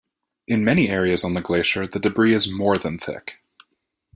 In many areas on the glacier, the debris is more than thick.